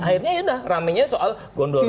akhirnya ya udah rame nya soal gondola ruwo